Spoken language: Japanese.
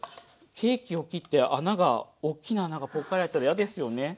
ケーキを切って穴がおっきな穴がポッカリあいてたら嫌ですよね。